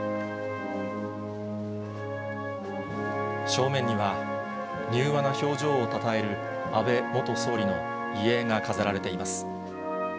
正面には、柔和な表情をたたえる安倍元総理の遺影が飾られています。